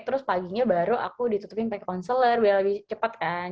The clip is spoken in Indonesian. terus paginya baru aku ditutupin pakai konselor biar lebih cepat kan